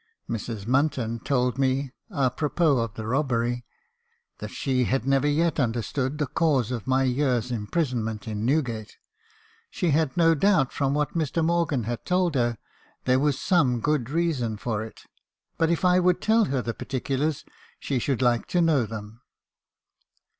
Mrs. Munton told me, apropos of the robbery — that she had never yet understood the cause of my year's imprisonment in Newgate ; she had no doubt, from what Mr. Morgan had told her, there was some good reason for it; but if I would tell her the particulars, she should like to know them.